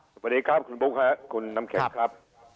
สวัสดีครับคุณบุ๊คคุณน้ำแข็งครับ